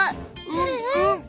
うんうん！